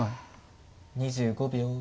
２５秒。